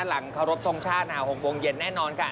หลังเคารพตรงชาติห่างห่วงวงเย็นแน่นอนค่ะ